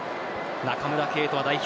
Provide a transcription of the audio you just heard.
中村敬斗は代表